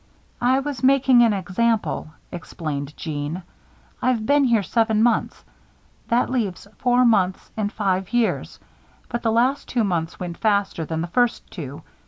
"I was making an example," explained Jeanne. "I've been here seven months. That leaves four years and five months; but the last two months went faster than the first two.